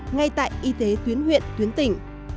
ngay tại y tế tuyến huyện tuyến tỉnh